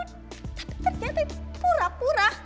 ternyata itu pura pura